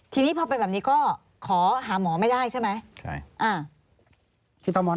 ทีนี้พอเป็นแบบนี้ก็ขอหาหมอไม่ได้ใช่ไหม